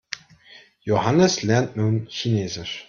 Johannes lernt nun Chinesisch.